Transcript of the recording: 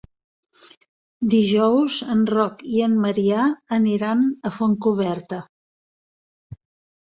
Dijous en Roc i en Maria aniran a Fontcoberta.